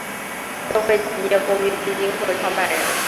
社会企业公约基金会创办人。